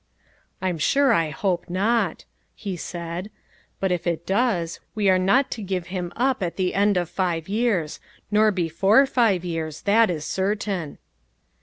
" I'm sure I hope not," he said, " but if it does, we are not to give him up at the end of five years; nor before five years, that is cer tain."